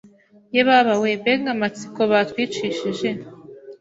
yebabawe mbega amatsiko batwicishije!